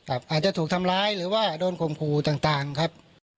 อาจจะถูกทำร้ายหรือว่าโดนข่มขู่ต่างครับ